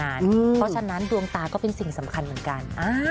เพราะฉะนั้นดวงตาก็เป็นสิ่งสำคัญเหมือนกัน